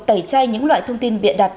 tẩy chay những loại thông tin bịa đặt